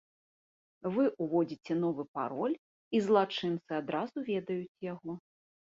Вы ўводзіце новы пароль і злачынцы адразу ведаюць яго.